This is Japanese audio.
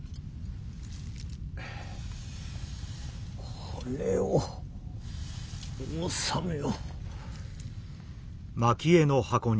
これをお納めを。